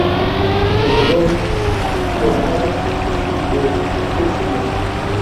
De los Dolores Coronada y del Stmo.